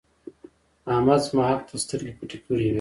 احمد زما حق ته سترګې پټې کړې وې.